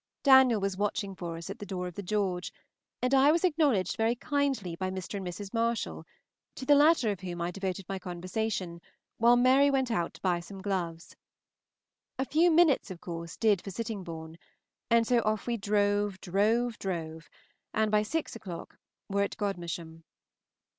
Daniel was watching for us at the door of the George, and I was acknowledged very kindly by Mr. and Mrs. Marshall, to the latter of whom I devoted my conversation, while Mary went out to buy some gloves. A few minutes, of course, did for Sittingbourne; and so off we drove, drove, drove, and by six o'clock were at Godmersham.